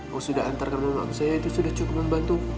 kau sudah antarkan bantuan saya itu sudah cukup membantu